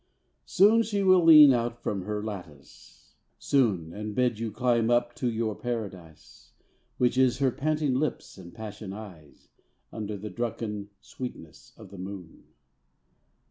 Soon she will lean out from her lattice, soon, And bid you climb up to your Paradise, Which is her panting lips and passion eyes Under the drunken sweetness of the moon!